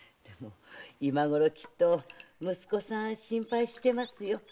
今ごろきっと息子さん心配してますよ。